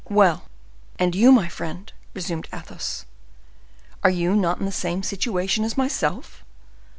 "Well, and you, my friend," resumed Athos, "are you not in the same situation as myself?